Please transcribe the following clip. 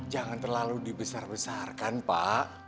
jangan terlalu dibesar besarkan pak